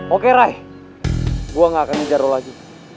oke raya gue gak akan ngejar lo lagi